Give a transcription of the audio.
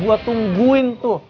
gue tungguin tuh